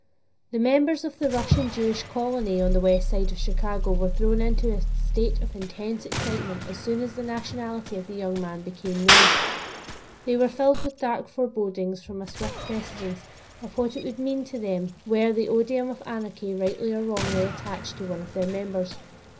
The members of the Russian Jewish colony on the west side of Chicago were thrown into a state of intense excitement as soon as the nationality of the young man became known. They were filled with dark forebodings from a swift prescience of what it would mean to them were the oduim of anarchy rightly or wrongly attached to one of their members.